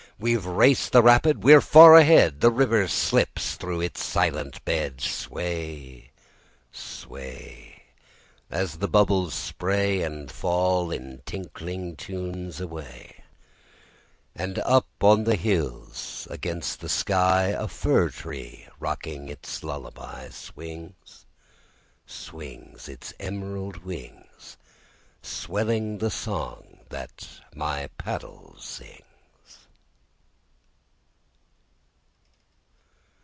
We've raced the rapid, we're far ahead! The river slips through its silent bed. Sway, sway, As the bubbles spray And fall in tinkling tunes away. And up on the hills against the sky, A fir tree rocking its lullaby, Swings, swings, Its emerald wings, Swelling the song that my paddle sings.